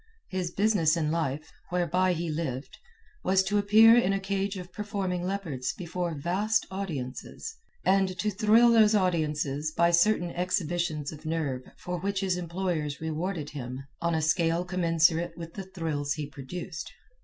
His business in life, whereby he lived, was to appear in a cage of performing leopards before vast audiences, and to thrill those audiences by certain exhibitions of nerve for which his employers rewarded him on a scale commensurate with the thrills he produced.